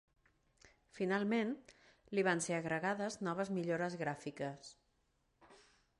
Finalment, li van ser agregades noves millores gràfiques.